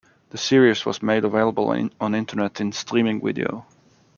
The series was made available on internet in streaming video.